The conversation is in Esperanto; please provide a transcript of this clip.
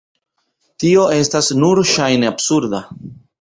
Tio estas nur ŝajne absurda.